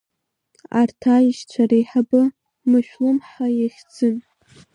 Арҭ аишьцәа реиҳабы Мышәлымҳа ихьӡын.